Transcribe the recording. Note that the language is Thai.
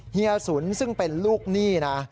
เฮียสุนซึ่งเป็นลูกหนี้นะ